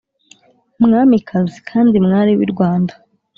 mwamikazi kandi mwari w` i rwanda